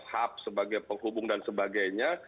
hub sebagai penghubung dan sebagainya